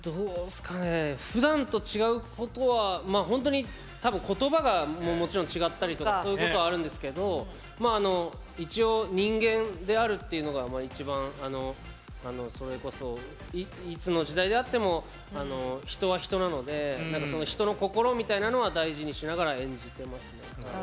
ふだんと違うことは本当に言葉がもちろん違ったりそういうことはあるんですけど一応、人間であるというのが一番それこそいつの時代であっても人は人なので人の心みたいなのは大事にしながら演じてますね。